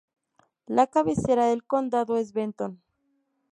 La cabecera del condado es Benton.